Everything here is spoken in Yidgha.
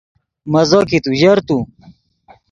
مزو کیت اوژر تو